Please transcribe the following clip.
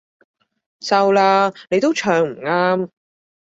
收啦，你都唱唔啱